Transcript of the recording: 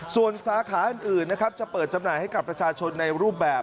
ส่วนสาขาอื่นนะครับจะเปิดจำหน่ายให้กับประชาชนในรูปแบบ